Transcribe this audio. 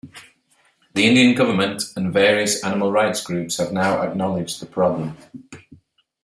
The Indian government and various animal-rights groups have now acknowledged the problem.